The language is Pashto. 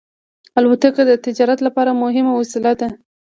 الوتکه د تجارت لپاره مهمه وسیله ده.